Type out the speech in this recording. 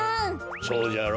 そうじゃろ？